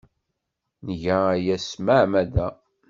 Nga aya s tmeɛmada.